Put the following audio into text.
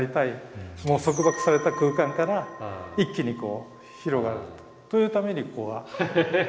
もう束縛された空間から一気に広がるというためにここは広く。